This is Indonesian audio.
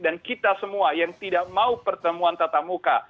dan kita semua yang tidak mau pertemuan tatamuka